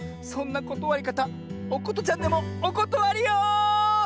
そんなことわりかたおことちゃんでもおことわりよ。